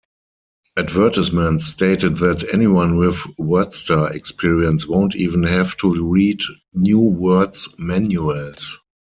Advertisements stated that Anyone with WordStar experience won't even have to read NewWord's manuals.